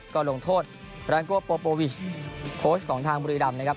ก็ลงโทษแรงโกโปโปวิชโค้ชของทางบุรีรำนะครับ